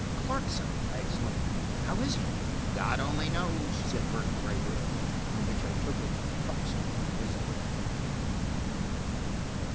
"Clarkson!" I exclaimed. "How is he?" "God only knows," said Burton gravely, from which I took it Clarkson was dead.